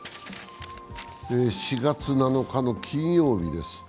４月７日の金曜日です。